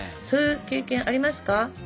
そういう経験ありますか？